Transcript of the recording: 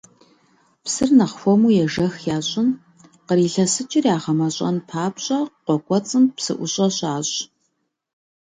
Псыр нэхъ хуэму ежэх ящӀын, кърилъэсыкӀыр ягъэмэщӀэн папщӀэ къуэ кӀуэцӀым псыӀущӀэ щащӀ.